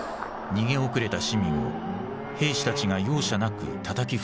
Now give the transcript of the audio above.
逃げ遅れた市民を兵士たちが容赦なくたたき伏せている。